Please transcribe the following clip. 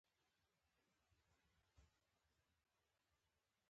د سمندر څپو شور د سیلانیانو لپاره آرامتیا ده.